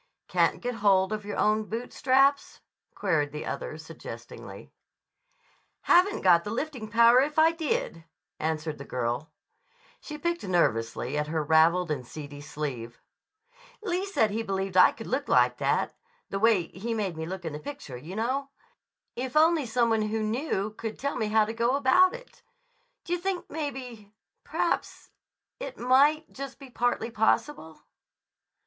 "Can't get hold of your own boot straps?" queried the other suggestingly. "Haven't got the lifting power if I did," answered the girl. She picked nervously at her raveled and seedy sleeve. "Lee said he believed I could look like that—the way he made me look in the picture, you know—if only some one who knew could tell me how to go about it. D' you think maybe—p'raps—it might be just partly possible?"